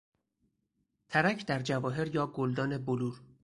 ترک در جواهر یا گلدان بلور